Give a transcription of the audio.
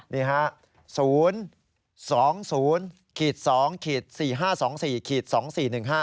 นี่ค่ะ